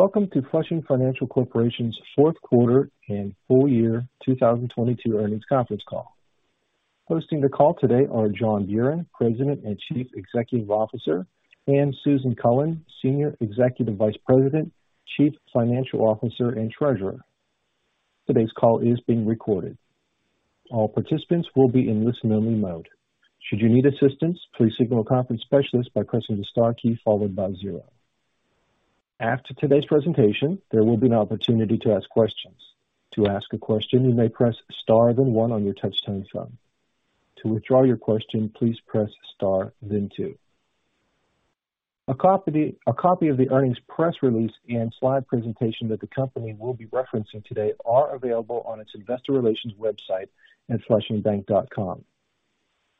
Welcome to Flushing Financial Corporation's fourth quarter and full year 2022 earnings conference call. Hosting the call today are John Buran, President and Chief Executive Officer, and Susan Cullen, Senior Executive Vice President, Chief Financial Officer, and Treasurer. Today's call is being recorded. All participants will be in listen-only mode. Should you need assistance, please signal a conference specialist by pressing the star key followed by zero. After today's presentation, there will be an opportunity to ask questions. To ask a question, you may press star then one on your touch-tone phone. To withdraw your question, please press star then two. A copy of the earnings press release and slide presentation that the company will be referencing today are available on its investor relations website at flushingbank.com.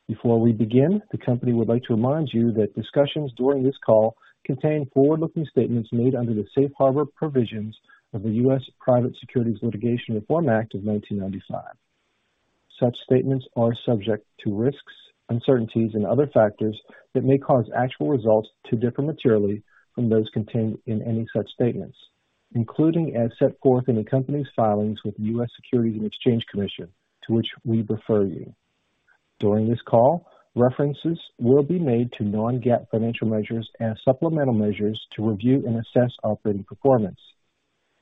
Before we begin, the company would like to remind you that discussions during this call contain forward-looking statements made under the safe harbor provisions of the U.S. Private Securities Litigation Reform Act of 1995. Such statements are subject to risks, uncertainties, and other factors that may cause actual results to differ materially from those contained in any such statements, including as set forth in the company's filings with U.S. Securities and Exchange Commission, to which we refer you. During this call, references will be made to non-GAAP financial measures and supplemental measures to review and assess operating performance.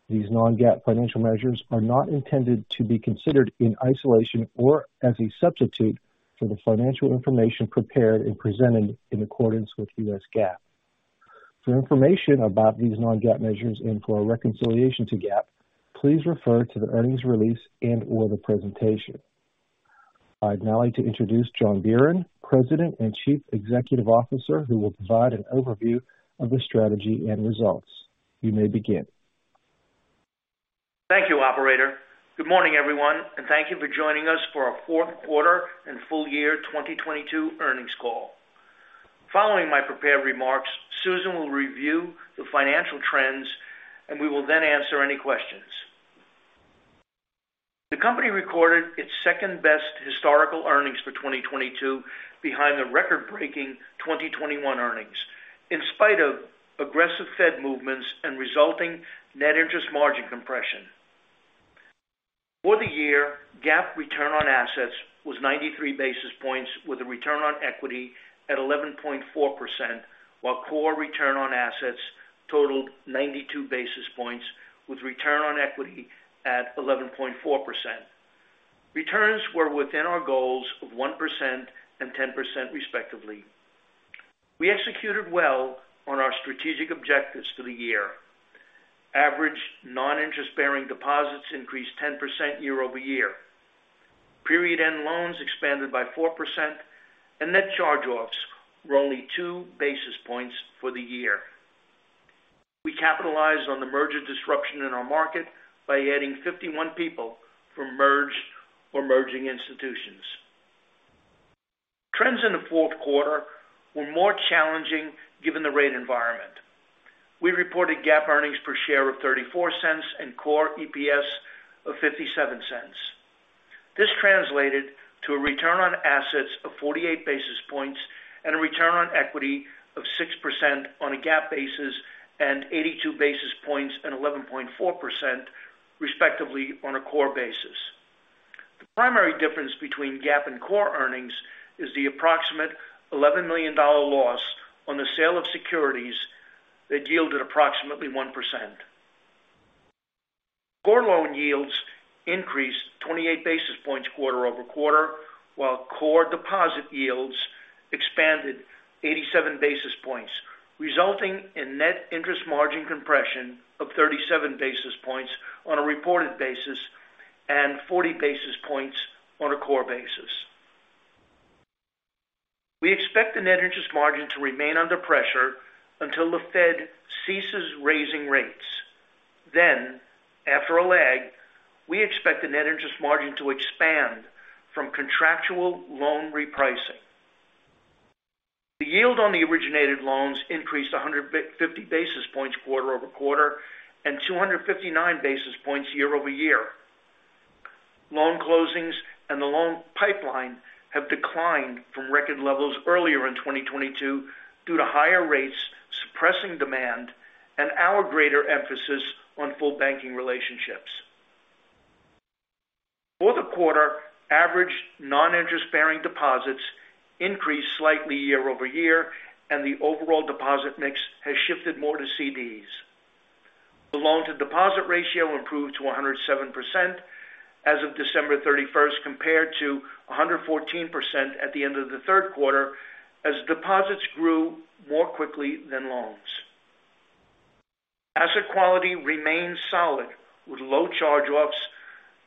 These non-GAAP financial measures are not intended to be considered in isolation or as a substitute for the financial information prepared and presented in accordance with U.S. GAAP. For information about these non-GAAP measures and for a reconciliation to GAAP, please refer to the earnings release and or the presentation. I'd now like to introduce John Buran, President and Chief Executive Officer, who will provide an overview of the strategy and results. You may begin. Thank you, operator. Good morning, everyone. Thank you for joining us for our fourth quarter and full year 2022 earnings call. Following my prepared remarks, Susan will review the financial trends. We will then answer any questions. The company recorded its second-best historical earnings for 2022 behind the record-breaking 2021 earnings. In spite of aggressive Fed movements and resulting net interest margin compression. For the year, GAAP return on assets was 93 basis points, with a return on equity at 11.4%, while core return on assets totaled 92 basis points, with return on equity at 11.4%. Returns were within our goals of 1% and 10%, respectively. We executed well on our strategic objectives for the year. Average non-interest-bearing deposits increased 10% year-over-year. Period-end loans expanded by 4%, and net charge-offs were only 2 basis points for the year. We capitalized on the merger disruption in our market by adding 51 people from merged or merging institutions. Trends in the fourth quarter were more challenging given the rate environment. We reported GAAP earnings per share of $0.34 and core EPS of $0.57. This translated to a return on assets of 48 basis points and a return on equity of 6% on a GAAP basis and 82 basis points and 11.4% respectively on a core basis. The primary difference between GAAP and core earnings is the approximate $11 million loss on the sale of securities that yielded approximately 1%. Core loan yields increased 28 basis points quarter-over-quarter, while core deposit yields expanded 87 basis points, resulting in net interest margin compression of 37 basis points on a reported basis and 40 basis points on a core basis. After a lag, we expect the net interest margin to expand from contractual loan repricing. The yield on the originated loans increased 150 basis points quarter-over-quarter and 259 basis points year-over-year. Loan closings and the loan pipeline have declined from record levels earlier in 2022 due to higher rates suppressing demand and our greater emphasis on full banking relationships. For the quarter, average non-interest-bearing deposits increased slightly year-over-year, and the overall deposit mix has shifted more to CDs. The loan to deposit ratio improved to 107% as of December 31st, compared to 114% at the end of the third quarter as deposits grew more quickly than loans. Asset quality remains solid with low charge-offs,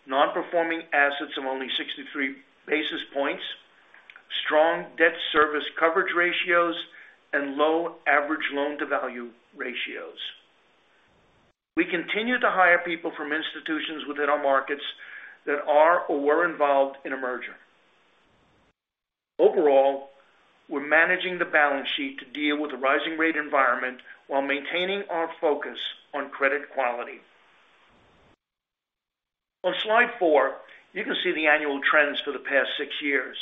Non-Performing Assets of only 63 basis points, strong debt service coverage ratios, and low average loan to value ratios. We continue to hire people from institutions within our markets that are or were involved in a merger. We're managing the balance sheet to deal with the rising rate environment while maintaining our focus on credit quality. On slide four, you can see the annual trends for the past six years.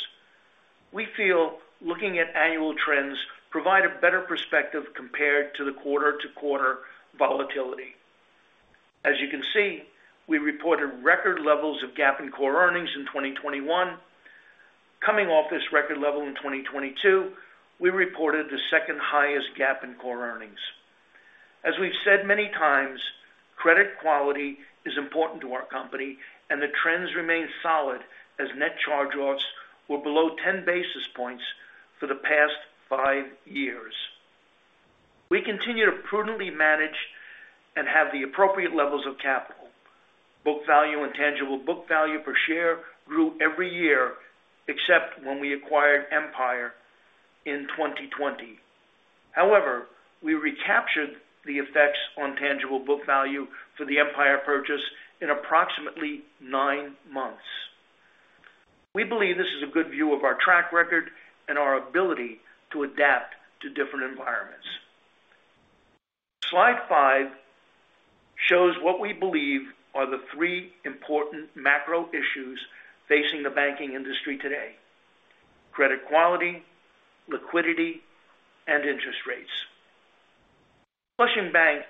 We feel looking at annual trends provide a better perspective compared to the quarter-over-quarter volatility. You can see, we reported record levels of GAAP and core earnings in 2021. Coming off this record level in 2022, we reported the second highest GAAP in core earnings. As we've said many times, credit quality is important to our company and the trends remain solid as net charge-offs were below 10 basis points for the past five years. We continue to prudently manage and have the appropriate levels of capital. Book value and tangible book value per share grew every year except when we acquired Empire in 2020. We recaptured the effects on tangible book value for the Empire purchase in approximately nine months. We believe this is a good view of our track record and our ability to adapt to different environments. Slide five shows what we believe are the three important macro issues facing the banking industry today. Credit quality, liquidity, and interest rates. Flushing Bank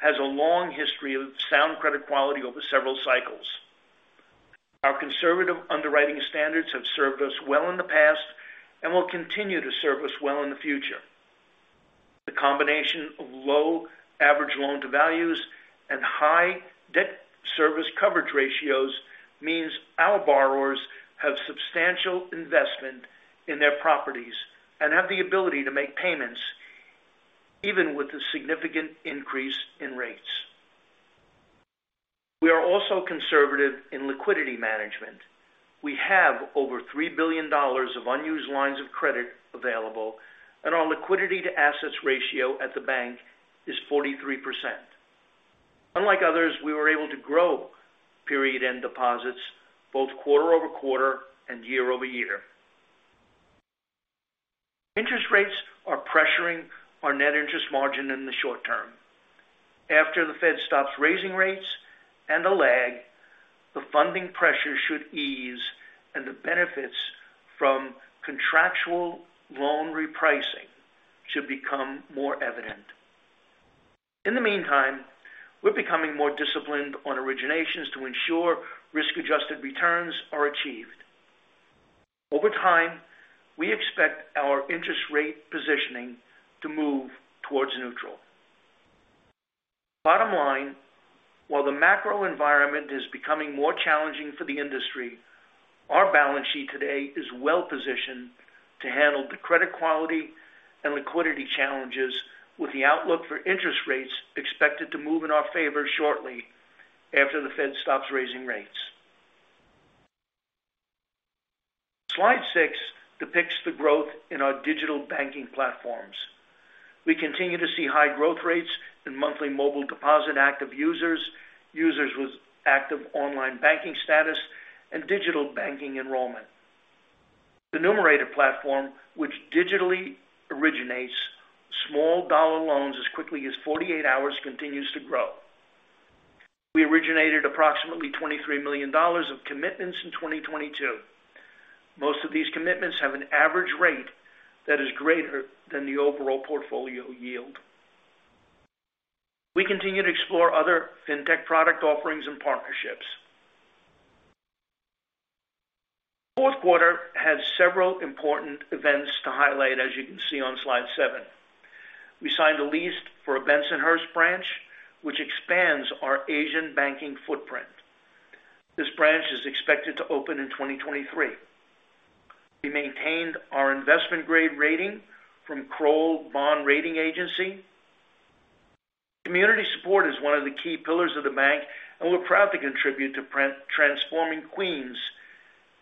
has a long history of sound credit quality over several cycles. Our conservative underwriting standards have served us well in the past and will continue to serve us well in the future. The combination of low average loan to values and high debt service coverage ratios means our borrowers have substantial investment in their properties and have the ability to make payments even with a significant increase in rates. We are also conservative in liquidity management. We have over $3 billion of unused lines of credit available, and our liquidity to assets ratio at the bank is 43%. Unlike others, we were able to grow period end deposits both quarter-over-quarter and year-over-year. Interest rates are pressuring our net interest margin in the short term. After the Fed stops raising rates and a lag, the funding pressure should ease and the benefits from contractual loan repricing should become more evident. In the meantime, we're becoming more disciplined on originations to ensure risk-adjusted returns are achieved. Over time, we expect our interest rate positioning to move towards neutral. Bottom line, while the macro environment is becoming more challenging for the industry, our balance sheet today is well-positioned to handle the credit quality and liquidity challenges with the outlook for interest rates expected to move in our favor shortly after the Fed stops raising rates. Slide six depicts the growth in our digital banking platforms. We continue to see high growth rates in monthly mobile deposit active users with active online banking status, and digital banking enrollment. The Numerator platform, which digitally originates small dollar loans as quickly as 48 hours, continues to grow. We originated approximately $23 million of commitments in 2022. Most of these commitments have an average rate that is greater than the overall portfolio yield. We continue to explore other fintech product offerings and partnerships. Fourth quarter has several important events to highlight, as you can see on slide 7. We signed a lease for a Bensonhurst branch, which expands our Asian banking footprint. This branch is expected to open in 2023. We maintained our investment grade rating from Kroll Bond Rating Agency. Community support is one of the key pillars of the bank, and we're proud to contribute to transforming Queens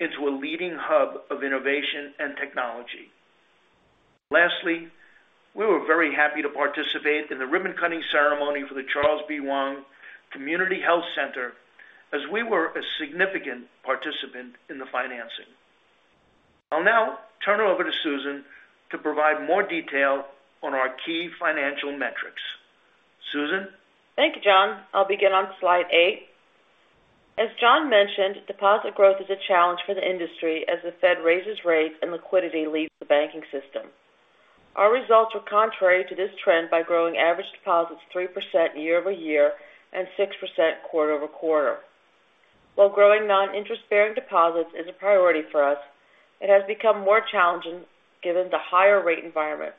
into a leading hub of innovation and technology. Lastly, we were very happy to participate in the ribbon-cutting ceremony for the Charles B. Wang Community Health Center as we were a significant participant in the financing. I'll now turn it over to Susan to provide more detail on our key financial metrics. Susan? Thank you, John. I'll begin on slide eight. As John mentioned, deposit growth is a challenge for the industry as the Fed raises rates and liquidity leaves the banking system. Our results are contrary to this trend by growing average deposits 3% year-over-year and 6% quarter-over-quarter. While growing non-interest bearing deposits is a priority for us, it has become more challenging given the higher rate environment.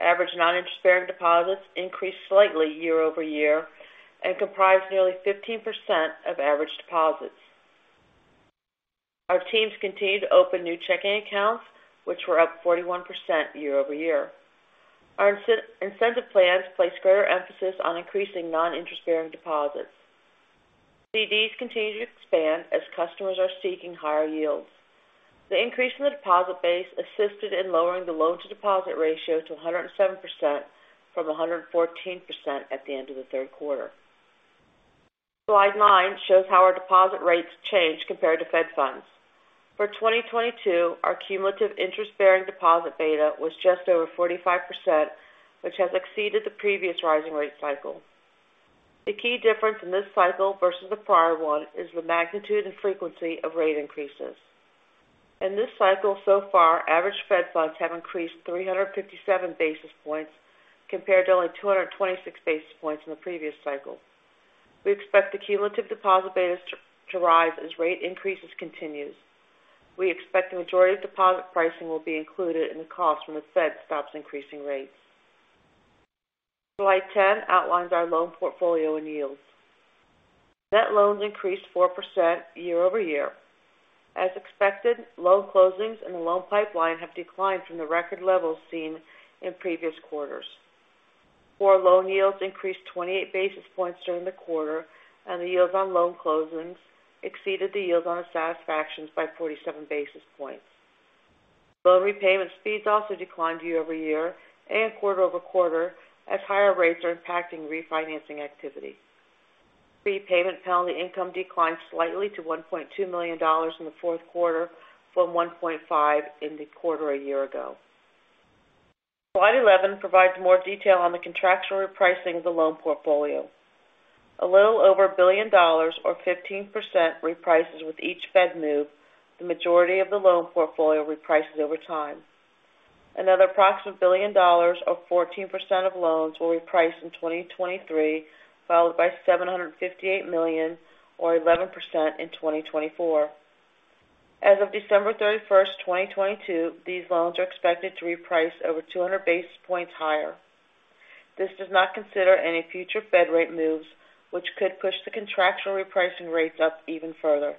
Average non-interest bearing deposits increased slightly year-over-year and comprise nearly 15% of average deposits. Our teams continue to open new checking accounts, which were up 41% year-over-year. Our incentive plans place greater emphasis on increasing non-interest bearing deposits. CDs continue to expand as customers are seeking higher yields. The increase in the deposit base assisted in lowering the loan to deposit ratio to 107% from 114% at the end of the third quarter. Slide nine shows how our deposit rates change compared to Fed Funds. For 2022, our cumulative interest-bearing deposit beta was just over 45%, which has exceeded the previous rising rate cycle. The key difference in this cycle versus the prior one is the magnitude and frequency of rate increases. In this cycle so far, average Fed Funds have increased 357 basis points compared to only 226 basis points in the previous cycle. We expect the cumulative deposit betas to rise as rate increases continues. We expect the majority of deposit pricing will be included in the cost when the Fed stops increasing rates. Slide 10 outlines our loan portfolio and yields. Net loans increased 4% year-over-year. As expected, loan closings and the loan pipeline have declined from the record levels seen in previous quarters. Core loan yields increased 28 basis points during the quarter, and the yields on loan closings exceeded the yields on satisfactions by 47 basis points. Loan repayment speeds also declined year-over-year and quarter-over-quarter as higher rates are impacting refinancing activity. Prepayment penalty income declined slightly to $1.2 million in the fourth quarter from $1.5 in the quarter a year ago. Slide 11 provides more detail on the contractual repricing of the loan portfolio. A little over $1 billion or 15% reprices with each Fed move, the majority of the loan portfolio reprices over time. Another approximate $1 billion or 14% of loans will reprice in 2023, followed by $758 million or 11% in 2024. As of December 31st, 2022, these loans are expected to reprice over 200 basis points higher. This does not consider any future Fed rate moves, which could push the contractual repricing rates up even further.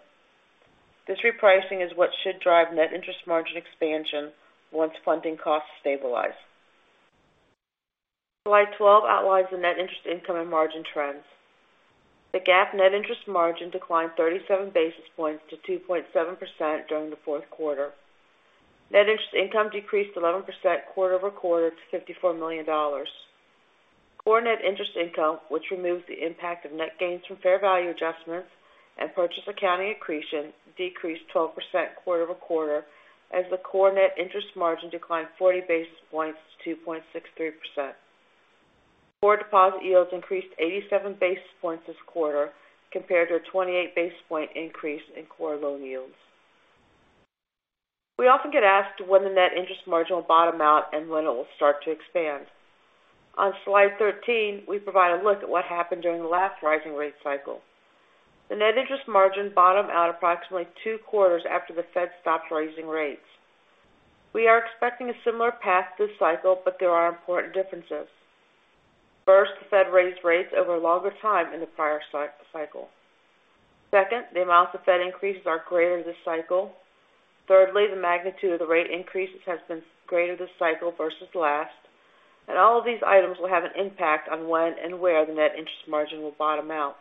This repricing is what should drive net interest margin expansion once funding costs stabilize. Slide 12 outlines the net interest income and margin trends. The GAAP net interest margin declined 37 basis points to 2.7% during the fourth quarter. Net interest income decreased 11% quarter-over-quarter to $54 million. Core net interest income, which removes the impact of net gains from fair value adjustments and purchase accounting accretion, decreased 12% quarter-over-quarter as the core net interest margin declined 40 basis points to 2.63%. Core deposit yields increased 87 basis points this quarter compared to a 28 basis point increase in core loan yields. We often get asked when the net interest margin will bottom out and when it will start to expand. On slide 13, we provide a look at what happened during the last rising rate cycle. The net interest margin bottomed out approximately two quarters after the Fed stopped raising rates. We are expecting a similar path this cycle, there are important differences. First, the Fed raised rates over a longer time in the prior cycle. Second, the amounts the Fed increases are greater this cycle. Thirdly, the magnitude of the rate increases has been greater this cycle versus last. All of these items will have an impact on when and where the net interest margin will bottom out.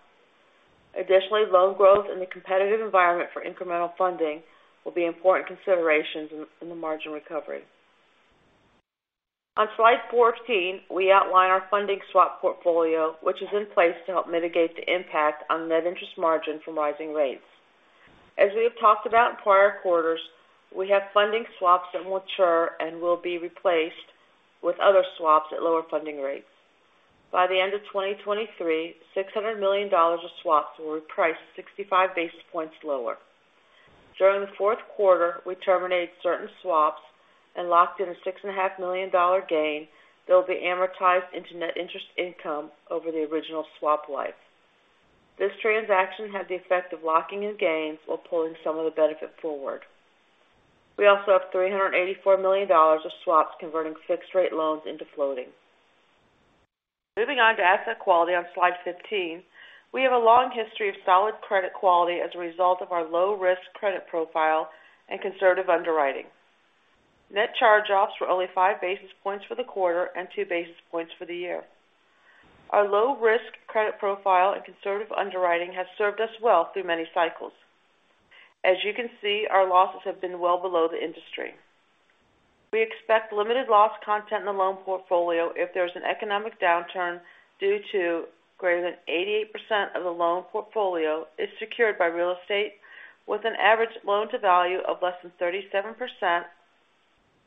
Additionally, loan growth and the competitive environment for incremental funding will be important considerations in the margin recovery. On slide 14, we outline our funding swap portfolio, which is in place to help mitigate the impact on net interest margin from rising rates. As we have talked about in prior quarters, we have funding swaps that will mature and will be replaced with other swaps at lower funding rates. By the end of 2023, $600 million of swaps will reprice 65 basis points lower. During the fourth quarter, we terminated certain swaps and locked in a six and a half million dollar gain that will be amortized into net interest income over the original swap life. This transaction had the effect of locking in gains while pulling some of the benefit forward. We also have $384 million of swaps converting fixed rate loans into floating. Moving on to asset quality on slide 15, we have a long history of solid credit quality as a result of our low risk credit profile and conservative underwriting. Net charge-offs were only 5 basis points for the quarter and 2 basis points for the year. Our low risk credit profile and conservative underwriting has served us well through many cycles. As you can see, our losses have been well below the industry. We expect limited loss content in the loan portfolio if there is an economic downturn due to greater than 88% of the loan portfolio is secured by real estate with an average loan to value of less than 37%,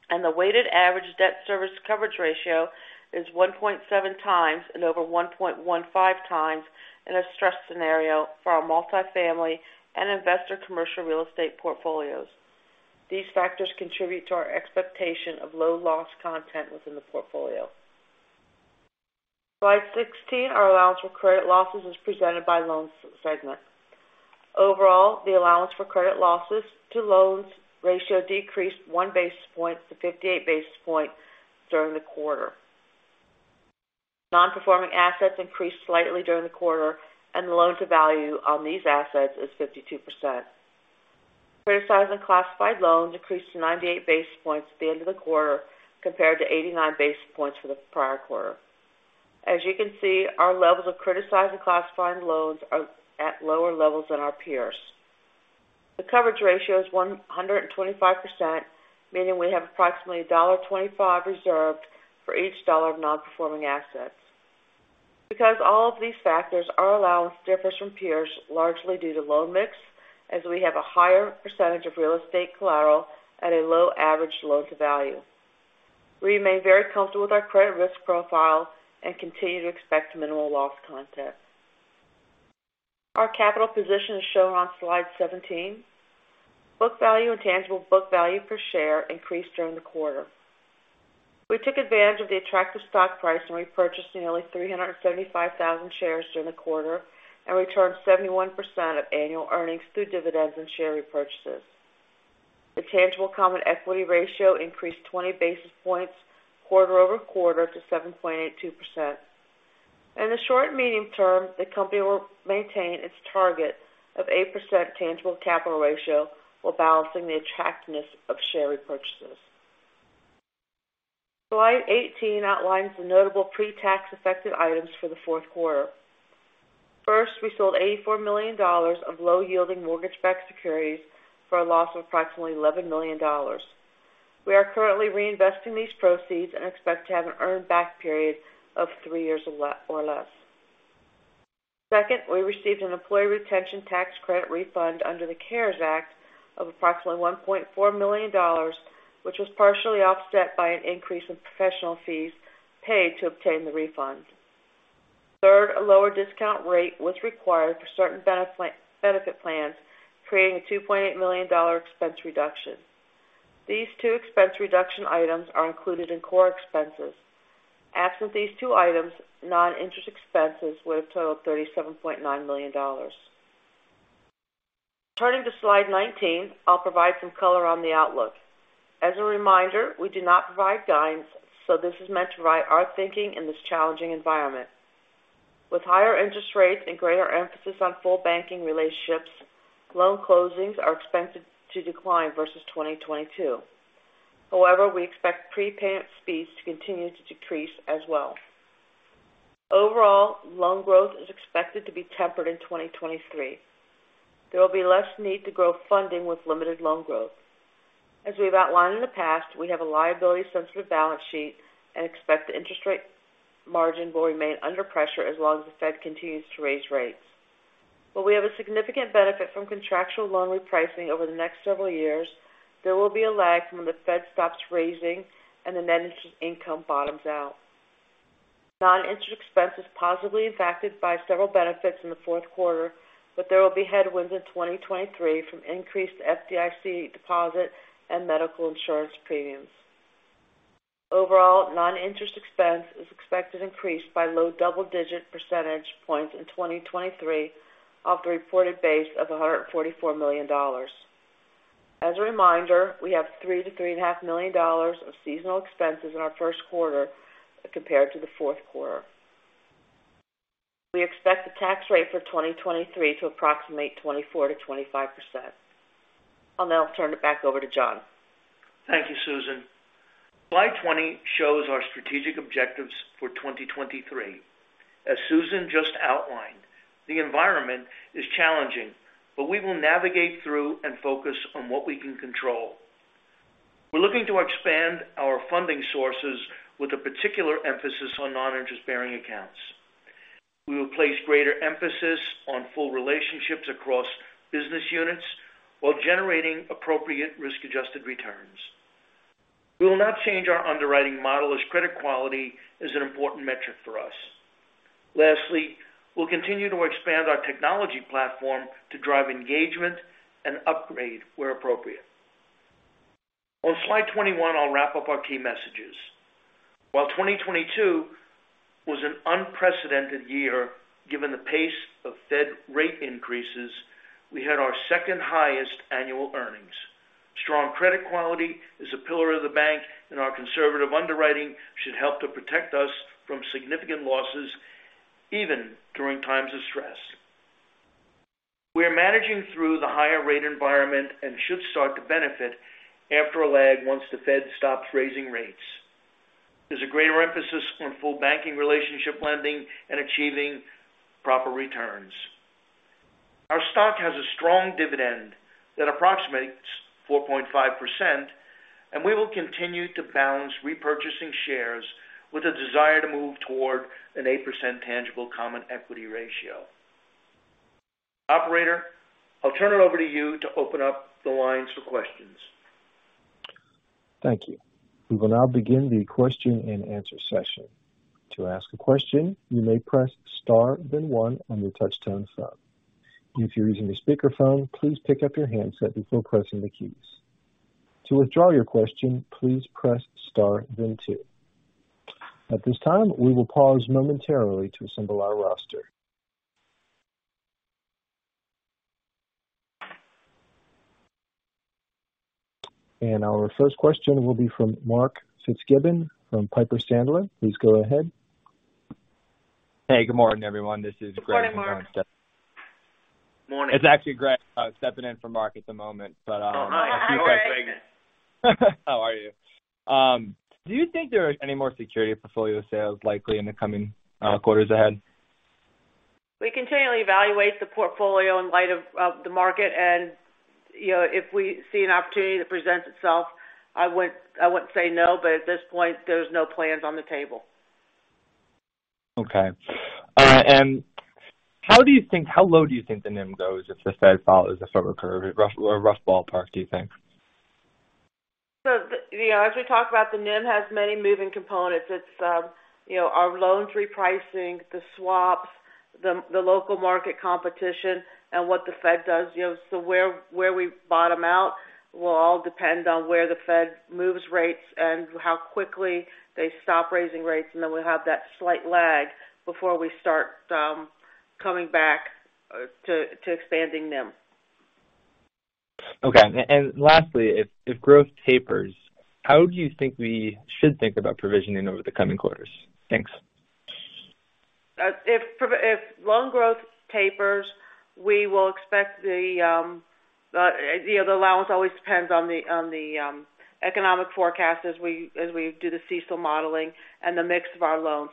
and the weighted average debt service coverage ratio is 1.7x and over 1.15x in a stress scenario for our multifamily and investor commercial real estate portfolios. These factors contribute to our expectation of low loss content within the portfolio. Slide 16, our allowance for credit losses is presented by loan segment. Overall, the allowance for credit losses to loans ratio decreased 1 basis point to 58 basis point during the quarter. Non-Performing Assets increased slightly during the quarter, and the loan to value on these assets is 52%. Criticized and classified loans decreased to 98 basis points at the end of the quarter compared to 89 basis points for the prior quarter. As you can see, our levels of criticized and classified loans are at lower levels than our peers. The coverage ratio is 125%, meaning we have approximately $1.25 reserved for each dollar of Non-Performing Assets. Because all of these factors, our allowance differs from peers largely due to low mix, as we have a higher percentage of real estate collateral at a low average loan to value. We remain very comfortable with our credit risk profile and continue to expect minimal loss content. Our capital position is shown on slide 17. Book value and tangible book value per share increased during the quarter. We took advantage of the attractive stock price in repurchasing nearly 375,000 shares during the quarter and returned 71% of annual earnings through dividends and share repurchases. The tangible common equity ratio increased 20 basis points quarter-over-quarter to 7.82%. In the short-medium term, the company will maintain its target of 8% tangible capital ratio while balancing the attractiveness of share repurchases. Slide 18 outlines the notable pre-tax effective items for the fourth quarter. First, we sold $84 million of low-yielding mortgage-backed securities for a loss of approximately $11 million. We are currently reinvesting these proceeds and expect to have an earn back period of three years or less. Second, we received an employee retention tax credit refund under the CARES Act of approximately $1.4 million, which was partially offset by an increase in professional fees paid to obtain the refund. A lower discount rate was required for certain benefit plans, creating a $2.8 million expense reduction. These two expense reduction items are included in core expenses. Absent these two items, non-interest expenses would have totaled $37.9 million. Turning to slide 19, I'll provide some color on the outlook. As a reminder, we do not provide guidance, so this is meant to write our thinking in this challenging environment. With higher interest rates and greater emphasis on full banking relationships, loan closings are expected to decline versus 2022. However, we expect prepayment speeds to continue to decrease as well. Overall, loan growth is expected to be tempered in 2023. There will be less need to grow funding with limited loan growth. As we have outlined in the past, we have a liability-sensitive balance sheet and expect the interest rate margin will remain under pressure as long as the Fed continues to raise rates. While we have a significant benefit from contractual loan repricing over the next several years, there will be a lag from when the Fed stops raising and the net interest income bottoms out. Non-interest expense is positively impacted by several benefits in the fourth quarter, but there will be headwinds in 2023 from increased FDIC deposit and medical insurance premiums. Overall, non-interest expense is expected to increase by low double-digit percentage points in 2023 off the reported base of $144 million. As a reminder, we have 3 million-$3.5 million of seasonal expenses in our first quarter compared to the fourth quarter. We expect the tax rate for 2023 to approximate 24%-25%. I'll now turn it back over to John. Thank you, Susan. Slide 20 shows our strategic objectives for 2023. As Susan just outlined, the environment is challenging, but we will navigate through and focus on what we can control. We're looking to expand our funding sources with a particular emphasis on non-interest-bearing accounts. We will place greater emphasis on full relationships across business units while generating appropriate risk-adjusted returns. We will not change our underwriting model as credit quality is an important metric for us. Lastly, we'll continue to expand our technology platform to drive engagement and upgrade where appropriate. On slide 21, I'll wrap up our key messages. While 2022 was an unprecedented year, given the pace of Fed rate increases, we had our second highest annual earnings. Strong credit quality is a pillar of the bank, and our conservative underwriting should help to protect us from significant losses even during times of stress. We are managing through the higher rate environment and should start to benefit after a lag once the Fed stops raising rates. There's a greater emphasis on full banking relationship lending and achieving proper returns. Our stock has a strong dividend that approximates 4.5%, and we will continue to balance repurchasing shares with a desire to move toward an 8% tangible common equity ratio. Operator, I'll turn it over to you to open up the lines for questions. Thank you. We will now begin the question-and-answer session. To ask a question, you may press star then one on your touch-tone phone. If you're using a speakerphone, please pick up your handset before pressing the keys. To withdraw your question, please press star then two. At this time, we will pause momentarily to assemble our roster. Our first question will be from Mark Fitzgibbon from Piper Sandler. Please go ahead. Hey, good morning, everyone. This is Greg- Good morning, Mark. Morning. It's actually Greg. I was stepping in for Mark at the moment, but... Oh, hi. Oh, hey. How are you? Do you think there are any more security portfolio sales likely in the coming quarters ahead? We continually evaluate the portfolio in light of the market. You know, if we see an opportunity that presents itself, I wouldn't say no, but at this point, there's no plans on the table. Okay. How low do you think the NIM goes if the Fed follows the forward curve? A rough ballpark, do you think? You know, as we talked about, the NIM has many moving components. It's, you know, our loans repricing, the swaps, the local market competition and what the Fed does, you know. Where we bottom out will all depend on where the Fed moves rates and how quickly they stop raising rates. Then we'll have that slight lag before we start coming back to expanding NIM. Okay. Lastly, if growth tapers, how do you think we should think about provisioning over the coming quarters? Thanks. If loan growth tapers, we will expect the, you know, the allowance always depends on the economic forecast as we do the CECL modeling and the mix of our loans.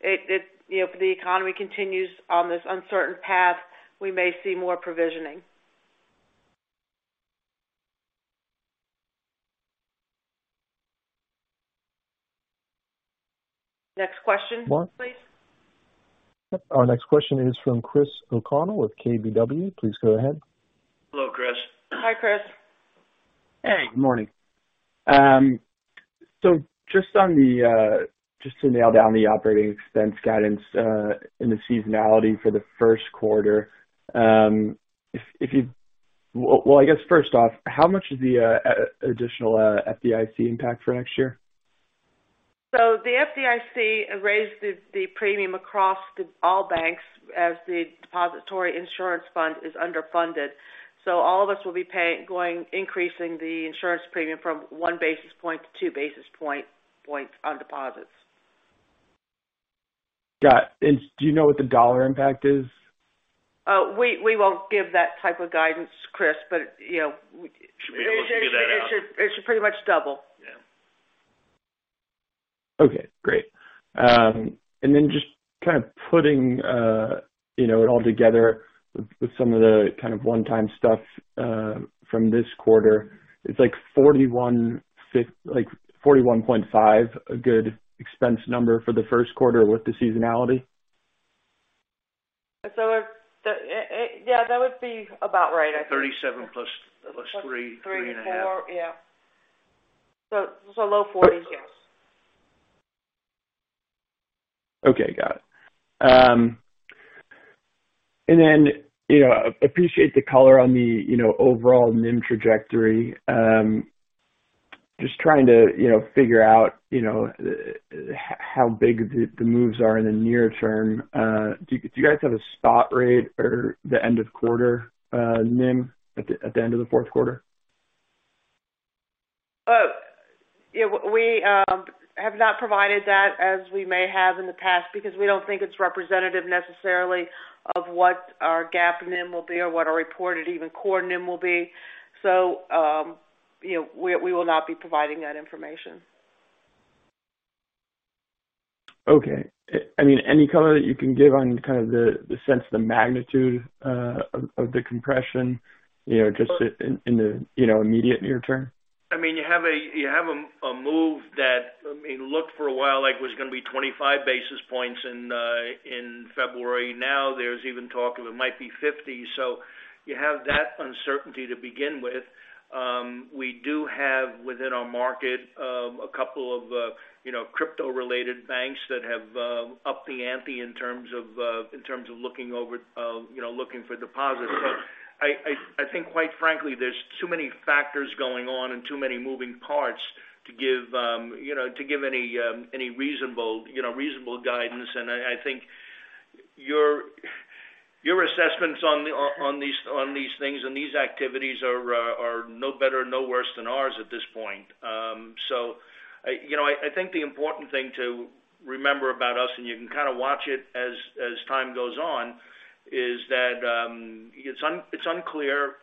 It, you know, if the economy continues on this uncertain path, we may see more provisioning. Next question, please. Mark. Our next question is from Christopher O'Connell with KBW. Please go ahead. Hello, Chris. Hi, Chris. Hey, good morning. Just on the, just to nail down the operating expense guidance, and the seasonality for the first quarter, Well, I guess, first off, how much is the additional FDIC impact for next year? The FDIC raised the premium across all banks as the Deposit Insurance Fund is underfunded. All of us will be increasing the insurance premium from 1 basis point-2 basis points on deposits. Got it. Do you know what the dollar impact is? We won't give that type of guidance, Chris, but, you know. Should be able to figure that out. It should pretty much double. Yeah. Okay, great. Just kind of putting, you know, it all together with some of the kind of one-time stuff, from this quarter, is, like, 41.5 a good expense number for the first quarter with the seasonality? Yeah, that would be about right, I think. 37 + 3.5 [3.4] 3.5 Yeah. low forties, yes. Okay. Got it. you know, appreciate the color on the, you know, overall NIM trajectory, just trying to, you know, figure out, you know, how big the moves are in the near term, do you guys have a spot rate for the end of quarter NIM at the end of the fourth quarter? Yeah, we have not provided that as we may have in the past because we don't think it's representative necessarily of what our GAAP NIM will be or what our reported even core NIM will be. You know, we will not be providing that information. Okay. I mean, any color that you can give on kind of the sense of the magnitude of the compression, you know, just in the immediate near term? I mean, you have a, you have a move that, I mean, looked for a while like it was gonna be 25 basis points in February. Now there's even talk of it might be 50. You have that uncertainty to begin with. We do have within our market, a couple of, you know, crypto related banks that have upped the ante in terms of in terms of looking over, you know, looking for deposits. I, I think quite frankly, there's too many factors going on and too many moving parts to give, you know, to give any reasonable, you know, reasonable guidance. I think your assessments on these, on these things and these activities are no better, no worse than ours at this point. You know, I think the important thing to remember about us, and you can kind of watch it as time goes on, is that, it's unclear,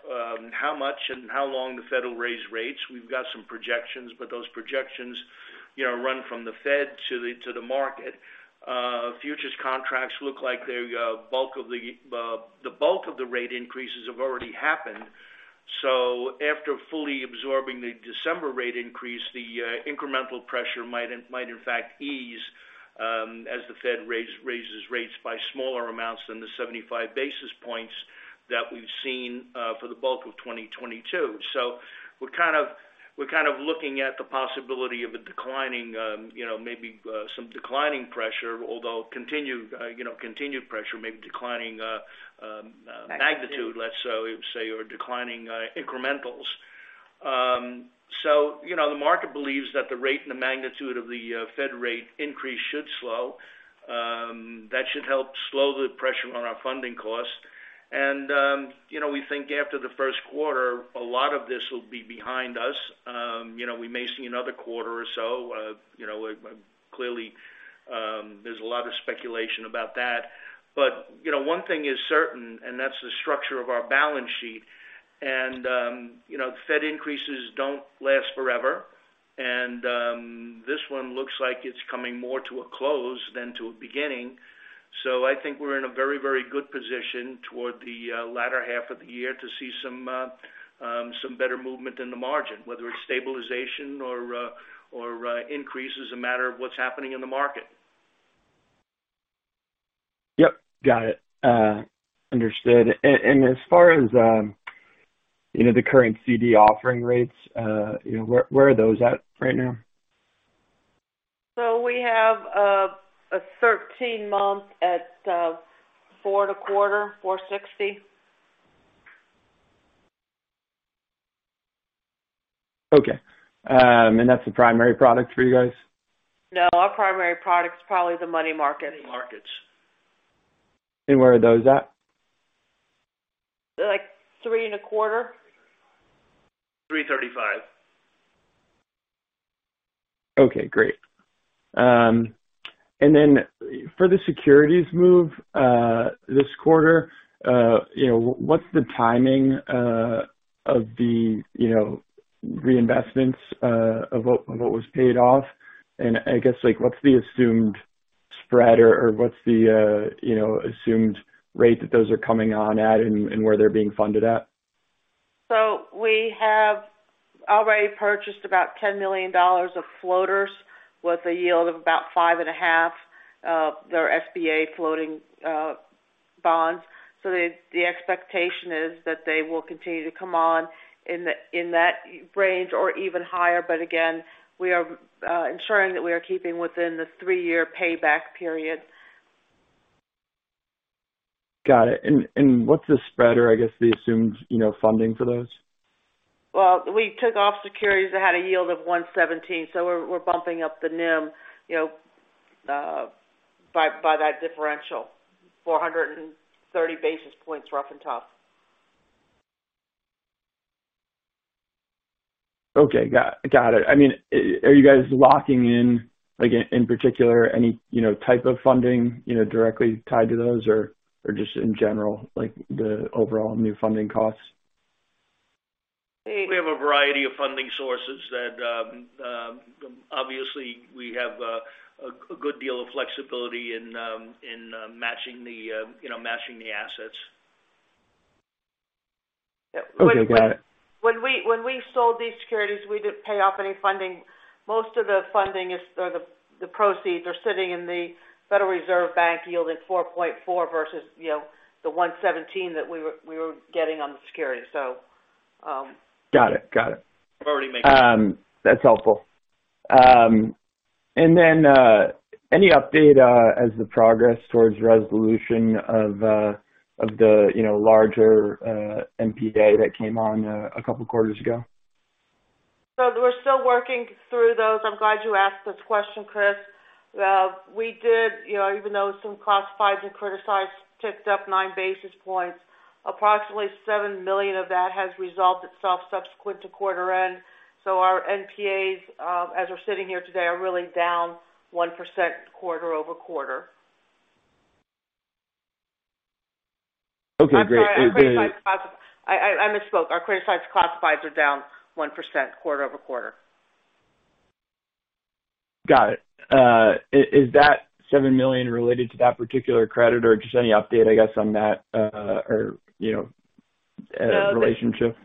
how much and how long the Fed will raise rates. We've got some projections, but those projections, you know, run from the Fed to the market. Futures contracts look like the bulk of the rate increases have already happened. After fully absorbing the December rate increase, the incremental pressure might in fact ease, as the Fed raises rates by smaller amounts than the 75 basis points that we've seen for the bulk of 2022. We're kind of looking at the possibility of a declining, you know, maybe some declining pressure, although continued, you know, continued pressure, maybe declining magnitude, let's say, or declining incrementals. You know, the market believes that the rate and the magnitude of the Fed rate increase should slow. That should help slow the pressure on our funding costs. You know, we think after the first quarter, a lot of this will be behind us. You know, we may see another quarter or so of, you know, clearly, there's a lot of speculation about that. You know, one thing is certain, and that's the structure of our balance sheet. You know, Fed increases don't last forever. This one looks like it's coming more to a close than to a beginning. I think we're in a very, very good position toward the latter half of the year to see some better movement in the margin, whether it's stabilization or increase as a matter of what's happening in the market. Yep, got it. Understood. As far as, you know, the current CD offering rates, you know, where are those at right now? We have a 13 month at four to quarter, 4.60. Okay. That's the primary product for you guys? Our primary product's probably the money market. Money markets. Where are those at? They're like 3.25. 3:35. Okay, great. Then for the securities move, this quarter, you know, what's the timing of the, you know, reinvestments of what was paid off? I guess, like what's the assumed spread or what's the, you know, assumed rate that those are coming on at and where they're being funded at? We have already purchased about $10 million of floaters with a yield of about 5.5, their SBA floating bonds. The expectation is that they will continue to come on in that range or even higher. Again, we are ensuring that we are keeping within the three-year payback period. Got it. What's the spread or I guess the assumed, you know, funding for those? Well, we took off securities that had a yield of 1.17, so we're bumping up the NIM, you know, by that differential, 430 basis points, rough and tough. Okay. Got it. I mean, are you guys locking in, like in particular, any, you know, type of funding, you know, directly tied to those or just in general, like the overall new funding costs? We have a variety of funding sources that, obviously we have a good deal of flexibility in matching the, you know, matching the assets. Okay. Got it. When we sold these securities, we didn't pay off any funding. Most of the funding or the proceeds are sitting in the Federal Reserve Bank yielding 4.4% versus, you know, the 1.17% that we were getting on the security. Got it. Got it. We're already making- That's helpful. Any update as the progress towards resolution of the, you know, larger NPA that came on a couple quarters ago? We're still working through those. I'm glad you asked this question, Chris. We did, you know, even though some classifieds and criticized ticked up 9 basis points, approximately $7 million of that has resolved itself subsequent to quarter end. Our NPAs, as we're sitting here today, are really down 1% quarter-over-quarter. Okay, great. I'm sorry. I misspoke. Our criticized classifieds are down 1% quarter-over-quarter. Got it. Is that $7 million related to that particular credit or just any update, I guess, on that, you know, relationship?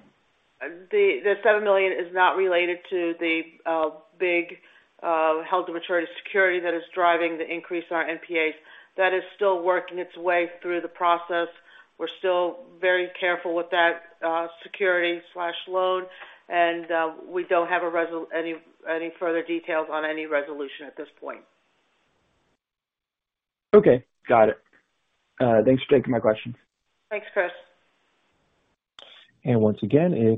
The $7 million is not related to the big held to maturity security that is driving the increase in our NPAs. That is still working its way through the process. We're still very careful with that security/loan, and we don't have any further details on any resolution at this point. Okay. Got it. Thanks for taking my questions. Thanks, Chris. If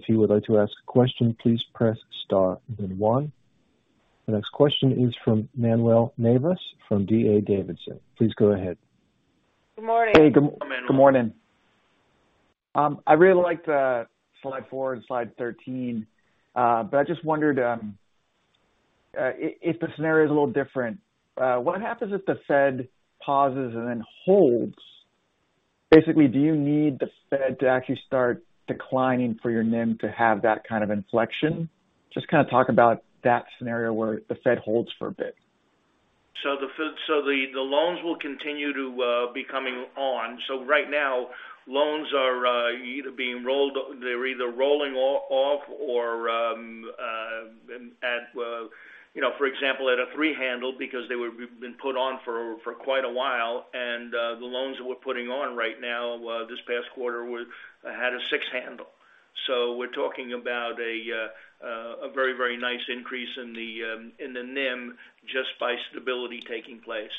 you would like to ask a question, please press star then one. The next question is from Manuel Navas from D.A. Davidson. Please go ahead. Good morning. Hey, good morning. Good morning. I really like the slide four and slide 13. I just wondered, if the scenario is a little different, what happens if the Fed pauses and then holds? Basically, do you need the Fed to actually start declining for your NIM to have that kind of inflection? Just kind of talk about that scenario where the Fed holds for a bit. The Fed-- the loans will continue to be coming on. Right now, loans are either being rolled-- they're either rolling off or at, you know, for example, at a three handle because we've been put on for quite a while. The loans that we're putting on right now, this past quarter had a six handle. We're talking about a very, very nice increase in the NIM just by stability taking place.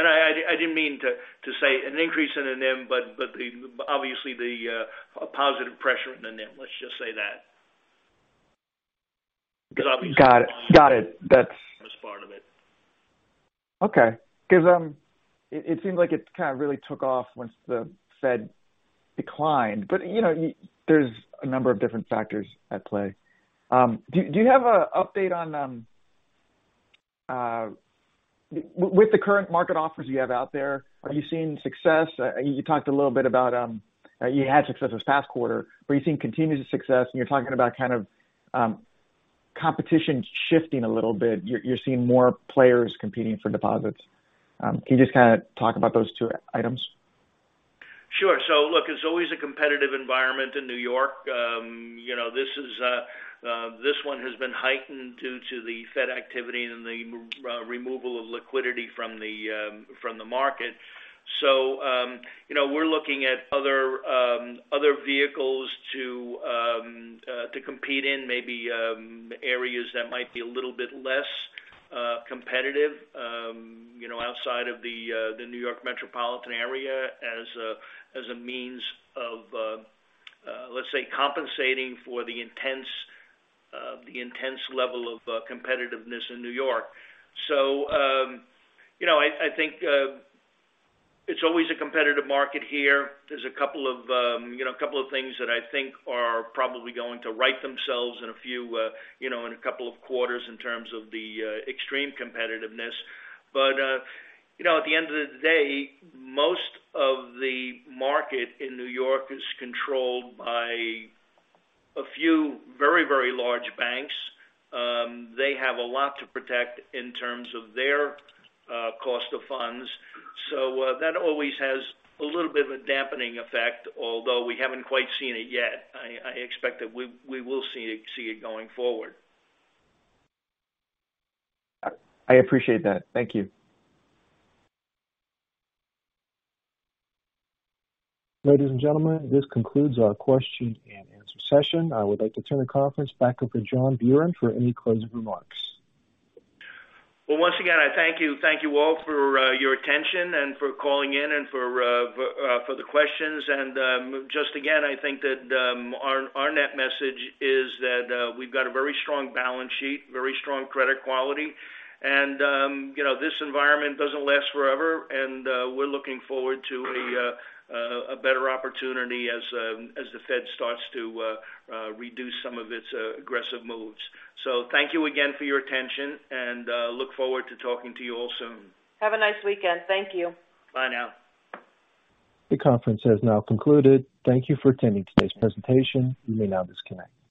I didn't mean to say an increase in the NIM, but obviously the a positive pressure in the NIM. Let's just say that. Obviously- Got it. that's part of it. Okay. It seems like it kind of really took off once the Fed declined. You know, there's a number of different factors at play. Do you have a update on? With the current market offers you have out there, are you seeing success? You talked a little bit about, you had success this past quarter. Are you seeing continued success, and you're talking about kind of, competition shifting a little bit? You're seeing more players competing for deposits. Can you just kinda talk about those two items? Sure. Look, it's always a competitive environment in New York. You know, this one has been heightened due to the Fed activity and the removal of liquidity from the market. You know, we're looking at other vehicles to compete in maybe areas that might be a little bit less competitive, you know, outside of the New York metropolitan area as a means of, let's say, compensating for the intense level of competitiveness in New York. You know, I think it's always a competitive market here. There's a couple of, you know, a couple of things that I think are probably going to right themselves in a few, you know, in a couple of quarters in terms of the extreme competitiveness. You know, at the end of the day, most of the market in New York is controlled by a few very, very large banks. They have a lot to protect in terms of their cost of funds. That always has a little bit of a dampening effect, although we haven't quite seen it yet. I expect that we will see it going forward. I appreciate that. Thank you. Ladies and gentlemen, this concludes our question and answer session. I would like to turn the conference back over to John Buran for any closing remarks. Well, once again, I thank you all for your attention and for calling in and for the questions. Just again, I think that our net message is that we've got a very strong balance sheet, very strong credit quality. You know, this environment doesn't last forever, and we're looking forward to a better opportunity as the Fed starts to reduce some of its aggressive moves. Thank you again for your attention, and look forward to talking to you all soon. Have a nice weekend. Thank you. Bye now. The conference has now concluded. Thank you for attending today's presentation. You may now disconnect.